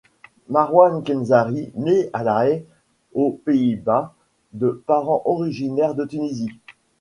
Marwan Kenzari naît à La Haye aux Pays-Bas de parents originaires de Tunisie.